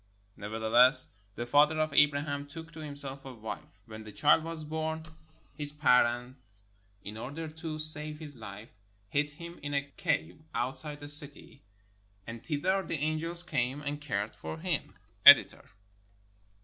Nevertheless, the father of Abraham took to himself a wife. When the child was born, his parents in order to save his life hid him in a cave outside the city, and thither the angels came and cared for him. The Editor.